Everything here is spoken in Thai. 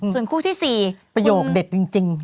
ส่วนคู่ที่๔ประโยคเด็ดจริง